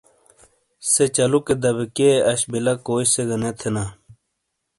سے چلوکے دبہ کیئے اش بیلہ کوئی سے گہ نے تھینا ۔